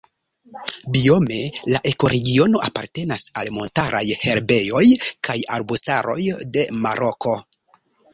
Biome la ekoregiono apartenas al montaraj herbejoj kaj arbustaroj de Maroko.